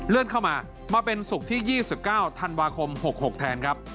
เข้ามามาเป็นศุกร์ที่๒๙ธันวาคม๖๖แทนครับ